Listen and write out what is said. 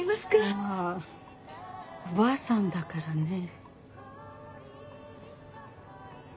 まぁおばあさんだからねぇ。